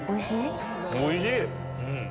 おいしい！